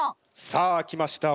さあ来ました。